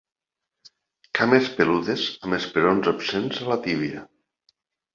Cames peludes amb esperons absents a la tíbia.